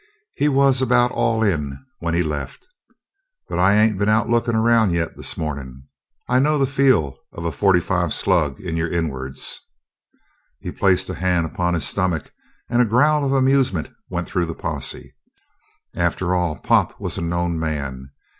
He was about all in when he left. But I ain't been out lookin' around yet this morning. I know the feel of a forty five slug in your inwards." He placed a hand upon his stomach, and a growl of amusement went through the posse. After all, Pop was a known man.